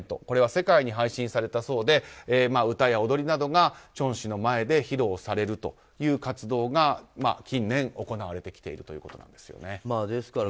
これは世界に配信されたそうで歌や踊りなどがチョン氏の前で披露されるという活動が近年行われてきているということなんです。